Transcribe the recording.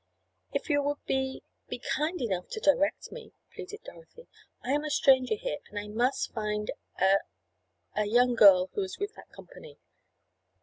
"If you would be—be kind enough to direct me," pleaded Dorothy. "I am a stranger here, and I must find a—a young girl who is with that company."